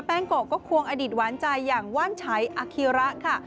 งโกะก็ควงอดีตหวานใจอย่างว่านชัยอคีระค่ะ